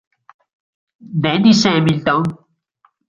Dennis Hamilton